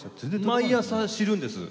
だから毎朝知るんです。